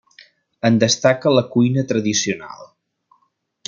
En destaca la cuina tradicional.